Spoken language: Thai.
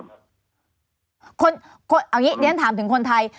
เอาอย่างนี้เดี๋ยวฉันถามถึงคนไทย